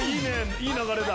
いい流れだ！